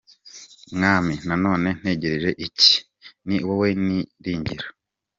Mwami, none ntegereje iki? Ni wowe niringira.